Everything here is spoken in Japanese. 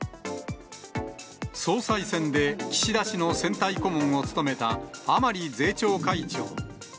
総裁選で岸田氏の選対顧問を務めた甘利税調会長。